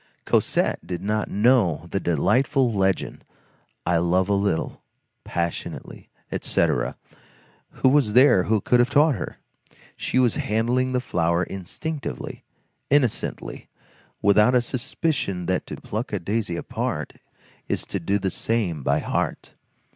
Cosette did not know the delightful legend, I love a little, passionately, etc.—who was there who could have taught her? She was handling the flower instinctively, innocently, without a suspicion that to pluck a daisy apart is to do the same by a heart.